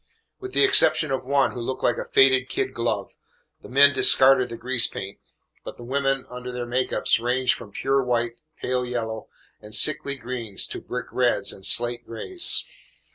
With the exception of one, who looked like a faded kid glove, the men discarded the grease paint, but the women under their make ups ranged from pure white, pale yellow, and sickly greens to brick reds and slate grays.